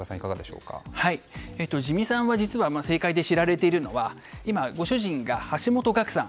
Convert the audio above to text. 自見さんは政界で知られているのは今、ご主人が橋本岳さん